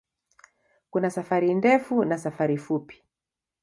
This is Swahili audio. Kuna safari ndefu na safari fupi.